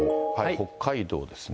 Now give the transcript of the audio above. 北海道ですね。